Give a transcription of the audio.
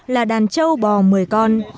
là đàn trâu bò một mươi con